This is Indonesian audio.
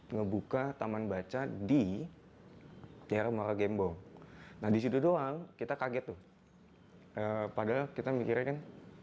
ngebuka taman baca di daerah mora gembo nah disitu doang kita kaget padahal kita mikirkan